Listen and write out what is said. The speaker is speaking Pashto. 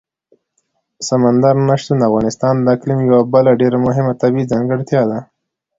سمندر نه شتون د افغانستان د اقلیم یوه بله ډېره مهمه طبیعي ځانګړتیا ده.